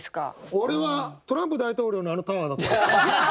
俺はトランプ大統領のあのタワーだと思った。